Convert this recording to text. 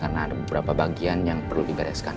karena ada beberapa bagian yang perlu ditempatkan